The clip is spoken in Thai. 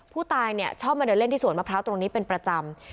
ผู้ตายชอบมาเดินเล่นที่สวนมะพร้าวตรงนี้เป็นประจำ